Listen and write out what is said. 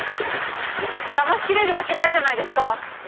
だましきれるわけないじゃないですか。